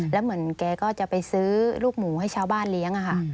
แล้วเหมือนแกก็จะไปซื้อลูกหมูให้ชาวบ้านเลี้ยงค่ะ